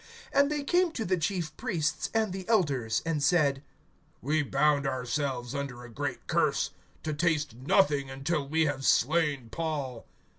(14)And they came to the chief priests and the elders, and said: We bound ourselves under a great curse, to taste nothing until we have slain Paul.